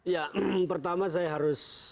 ya pertama saya harus